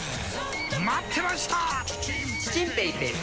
待ってました！